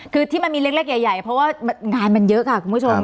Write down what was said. คือที่มันมีเล็กใหญ่เพราะว่างานมันเยอะค่ะคุณผู้ชม